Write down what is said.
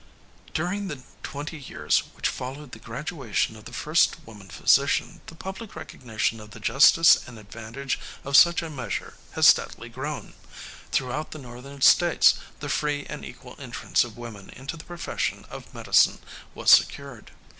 "During the twenty years which followed the graduation of the first woman physician, the public recognition of the justice and advantage of such a measure had steadily grown. Throughout the northern states the free and equal entrance of women into the profession of medicine was secured.